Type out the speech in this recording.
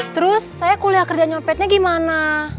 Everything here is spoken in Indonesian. terus saya kuliah kerja nyopetnya gimana